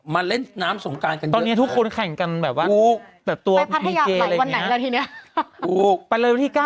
ไปรัทยาวชิคกี้พ่อจะหนูจองไปเลย๓นิตยา